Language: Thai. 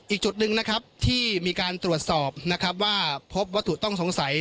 อีกจุดหนึ่งนะครับที่มีการตรวจสอบนะครับว่าพบวัตถุต้องสงสัย